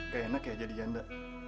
gak enak ya jadi janda